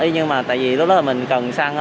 nhưng mà tại vì lúc đó mình cần xăng